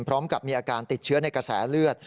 พร้อมกับมีอาการติดเชื้อในกระแสเลือด